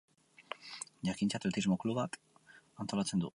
Jakintza Atletismo Klubak antolatzen du.